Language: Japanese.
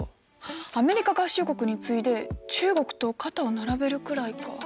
アメリカ合衆国に次いで中国と肩を並べるくらいか。